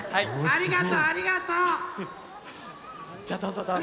ありがとありがと！